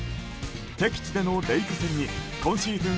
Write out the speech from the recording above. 敵地でのレイズ戦に今シーズン